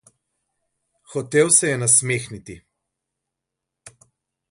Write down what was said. Hotel se je nasmehniti.